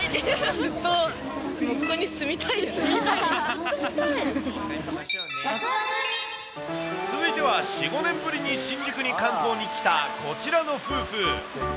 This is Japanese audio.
ずっと、ここに住みたいです続いては４、５年ぶりに新宿に観光に来た、こちらの夫婦。